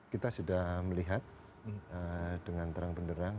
kita sudah melihat dengan terang benderang